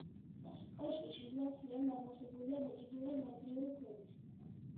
კოშკი შიგნიდან მთლიანად ამოვსებულია მიწითა და ნანგრევი ქვებით.